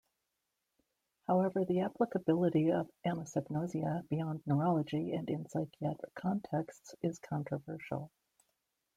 However, the applicability of anosognosia beyond neurology and in psychiatric contexts is controversial.